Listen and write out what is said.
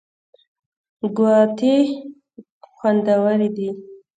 ګاوتې خوندورې دي.